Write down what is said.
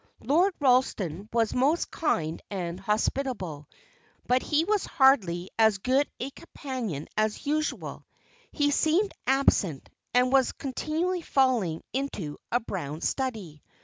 Lord Ralston was most kind and hospitable, but he was hardly as good a companion as usual; he seemed absent, and was continually falling into a brown study.